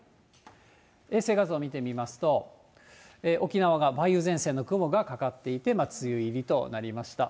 衛星画像を見てみますと、沖縄が梅雨前線の雲がかかっていて、梅雨入りとなりました。